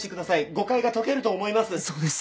誤解が解けると思います。